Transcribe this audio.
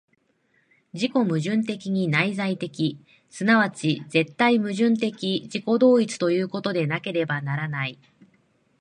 自己矛盾的に内在的、即ち絶対矛盾的自己同一ということでなければならない。